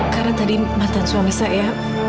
karena tadi mantan suami saya